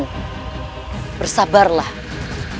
kau bisa second